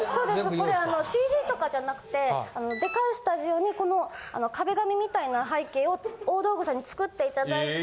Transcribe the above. これＣＧとかじゃなくてでかいスタジオにこの壁紙みたいな背景を大道具さんに作っていただいて。